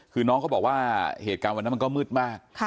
คือน้องเขาบอกว่าเหตุการณ์วันนั้นมันก็มืดมาก